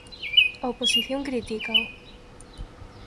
A oposición critícao.